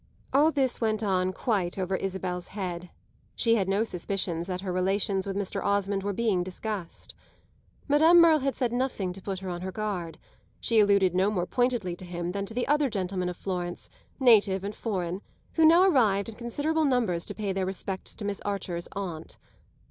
All this went on quite over Isabel's head; she had no suspicions that her relations with Mr. Osmond were being discussed. Madame Merle had said nothing to put her on her guard; she alluded no more pointedly to him than to the other gentlemen of Florence, native and foreign, who now arrived in considerable numbers to pay their respects to Miss Archer's aunt.